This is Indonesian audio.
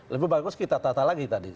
lebih bagus kita tata lagi tadi